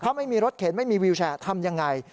ถ้าไม่มีรถเข็นไม่มีวิวแชร์ทำยังไง